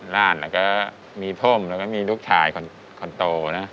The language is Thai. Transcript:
ร้านแล้วก็มีพ่มแล้วก็มีลูกชายคนโตนะ